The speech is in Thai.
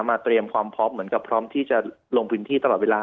เตรียมความพร้อมเหมือนกับพร้อมที่จะลงพื้นที่ตลอดเวลา